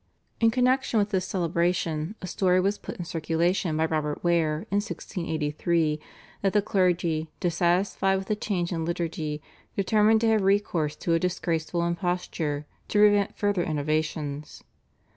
In connexion with this celebration a story was put in circulation by Robert Ware in 1683 that the clergy, dissatisfied with the change in liturgy, determined to have recourse to a disgraceful imposture to prevent further innovations.